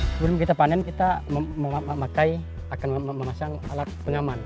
sebelum kita panen kita memakai akan memasang alat pengaman